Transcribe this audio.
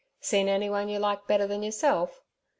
'See anyone you like better than yourself?'